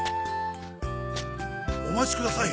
お待ちください